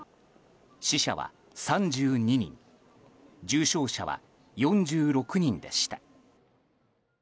死者は３２人重症者は４６人でした。